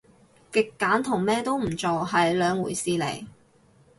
極簡同咩都唔做係兩回事嚟